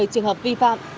trời trường hợp vi phạm